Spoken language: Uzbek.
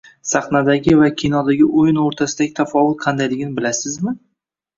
Sahnadagi va kinodagi oʻyin oʻrtasidagi tafovut qanaqaligini bilasizmi?